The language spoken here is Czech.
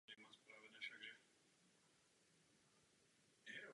Pracovala hlavně na televizních projektech.